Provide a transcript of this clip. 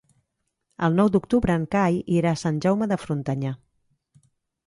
El nou d'octubre en Cai irà a Sant Jaume de Frontanyà.